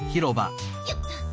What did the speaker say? よっと。